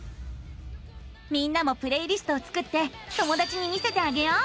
みんなもプレイリストを作って友だちに見せてあげよう。